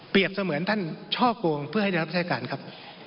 เปรียบเสมือนท่านช่อโกงเพื่อให้ได้รับรัฐการณ์ครับ